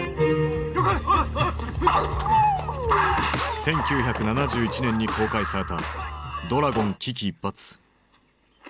１９７１年に公開された「ドラゴン危機一発」。